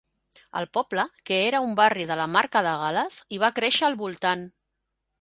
El poble, que era un barri de la Marca de Gal·les, hi va créixer al voltant.